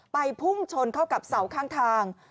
พุ่งชนเข้ากับเสาข้างทาง